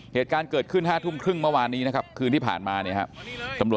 เหตุการณ์เกิดขึ้น๕ทุ่มครึ่งเมื่อวานนี้นะครับคืนที่ผ่านมาเนี่ยครับ